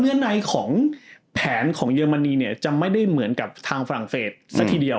เนื้อในแผนของเยอร์มันนีจะไม่ได้เหมือนทางฝรั่งเศสสักทีเดียว